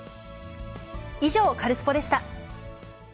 以上、カルスポっ！でした。